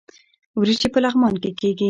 وریجې په لغمان کې کیږي